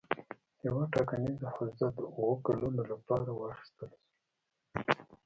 یوه ټاکنیزه حوزه د اووه کلونو لپاره واخیستل شي.